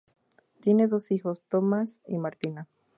Tiene dos hijos: Tomas y Martina.